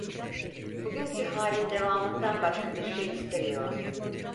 Bugünkü halin devamından başka bir şey istemiyordu.